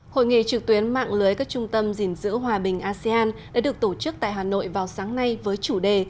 hội nghị trực tuyến mạng lưới các trung tâm gìn giữ hòa bình asean đã được tổ chức tại hà nội vào sáng nay với chủ đề